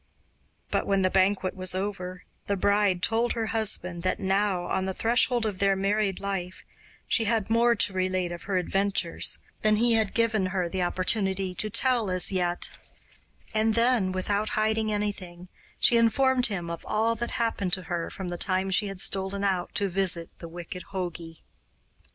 But when the banquet was over, the bride told her husband that now, on the threshold of their married life, she had more to relate of her adventures than he had given her the opportunity to tell as yet; and then, without hiding anything, she informed him of all that happened to her from the time she had stolen out to visit the wicked jogi.